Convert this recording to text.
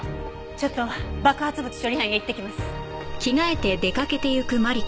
ちょっと爆発物処理班へ行ってきます。